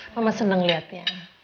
mama seneng liatnya